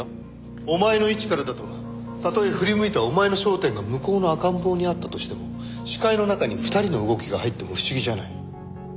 お前の位置からだとたとえ振り向いたお前の焦点が向こうの赤ん坊に合ったとしても視界の中に２人の動きが入っても不思議じゃない。